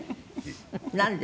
「なんで？